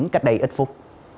cách đây ít phút